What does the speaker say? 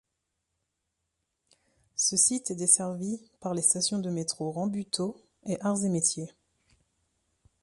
Ce site est desservi par les stations de métro Rambuteau et Arts et Métiers.